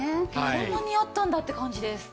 こんなにあったんだって感じです。